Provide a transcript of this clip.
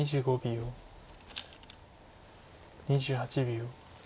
２８秒。